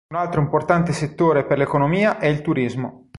Un altro importante settore per l'economia è il turismo.